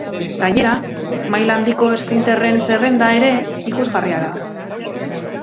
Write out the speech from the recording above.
Gainera, maila handiko esprinterren zerrenda ere ikusgarria da.